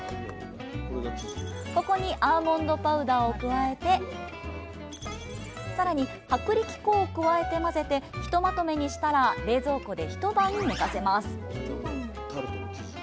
ここにアーモンドパウダーを加えてさらに薄力粉を加えて混ぜてひとまとめにしたら冷蔵庫で一晩寝かせます。